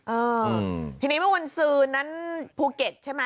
เออทีนี้เมื่อวันซื้อนั้นภูเก็ตใช่ไหม